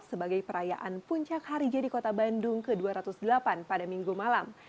sebagai perayaan puncak hari jadi kota bandung ke dua ratus delapan pada minggu malam